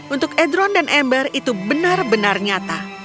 untuk edron dan ember itu benar benar nyata